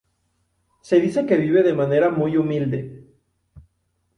Se dice que vive de manera muy humilde.